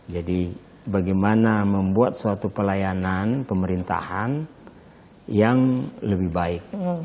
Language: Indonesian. jadi bagaimana membuat suatu pelayanan pemerintahan yang lebih baik